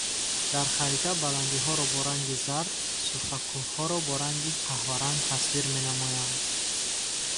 Дар харита баландиҳоро бо ранги зард, суфакӯҳҳоро бо ранги қаҳваранг тасвир менамоянд.